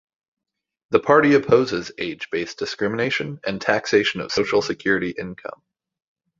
The party opposes age-based discrimination and taxation of Social Security income.